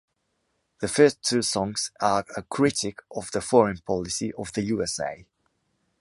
The first two songs are a critic of the foreign policy of the USA.